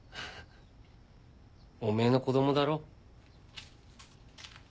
お前の子供だろ。